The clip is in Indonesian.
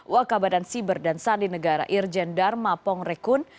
wakabadan siber dan sandi negara irjen dharma pong rekun